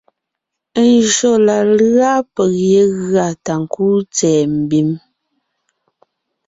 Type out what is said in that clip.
Njÿó la lʉ́a peg yé gʉa ta ńkúu tsɛ̀ɛ mbím,